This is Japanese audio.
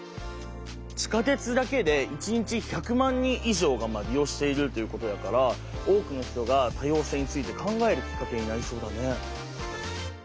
地下鉄だけで一日１００万人以上が利用しているっていうことやから多くの人が多様性について考えるきっかけになりそうだね。